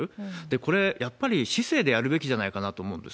これ、やっぱり市政でやるべきじゃないかなと思うんです。